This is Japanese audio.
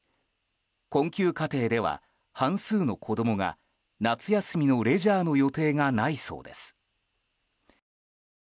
困窮家庭では、半数の子供が夏休みのレジャーの予定がないそうです。